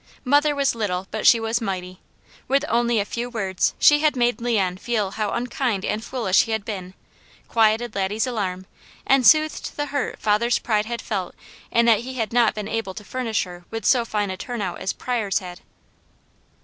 Mother was little but she was mighty. With only a few words she had made Leon feel how unkind and foolish he had been, quieted Laddie's alarm, and soothed the hurt father's pride had felt in that he had not been able to furnish her with so fine a turnout as Pryors had.